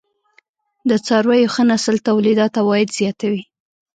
د څارويو ښه نسل تولیدات او عاید زیاتوي.